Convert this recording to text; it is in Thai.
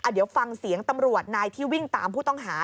เดี๋ยวฟังเสียงตำรวจนายที่วิ่งตามผู้ต้องหา